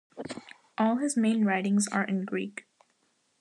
All his main writings are in Greek.